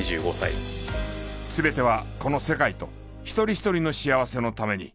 全てはこの世界と一人一人の幸せのために。